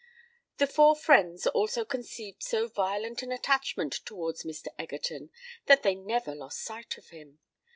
The four friends also conceived so violent an attachment towards Mr. Egerton, that they never lost sight of him.